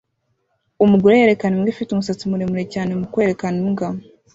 Umugore yerekana imbwa ifite umusatsi muremure cyane mu kwerekana imbwa